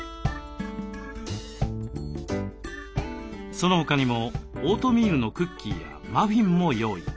その他にもオートミールのクッキーやマフィンも用意。